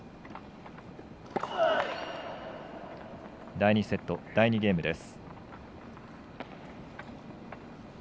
第２セット、第２ゲームです。